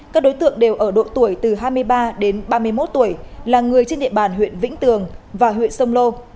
các đối tượng đều ở độ tuổi từ hai mươi ba đến ba mươi một tuổi là người trên địa bàn huyện vĩnh tường và huyện sông lô